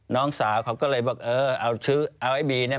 น้องสาวเขาก็เลยบอกเออเอาไอ้บีนี่